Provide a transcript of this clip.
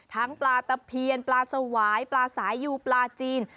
ปลาตะเพียนปลาสวายปลาสายยูปลาจีน